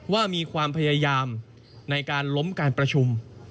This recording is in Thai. ว่ามีความพยายามในการล้มการประชุม